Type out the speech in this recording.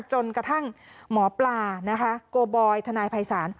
จนกระทั่งหมอปลานะคะโกบอยทนายภัยศาล